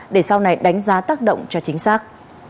để sau này đánh giá tác động cho chính xác